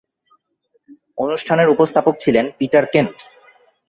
অনুষ্ঠানের উপস্থাপক ছিলেন পিটার কেন্ট।